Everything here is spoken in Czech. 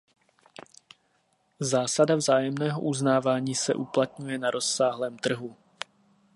Zásada vzájemného uznávání se uplatňuje na rozsáhlém trhu.